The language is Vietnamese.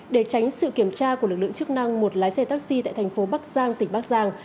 để tránh sự kiểm tra của lực lượng chức năng một lái xe taxi tại thành phố bắc giang tỉnh bắc giang